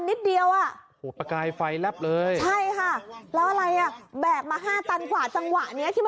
แม่กูกระเผียบไปนิดเดียว